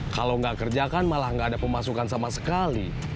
kalau gak kerjakan malah gak ada pemasukan sama sekali